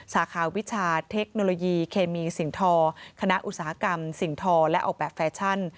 สาขาวิชาเทคโนโลยีเคมีสิ่งทอคณะอุตสาหกรรมสิ่งทอและออกแบบแฟชั่น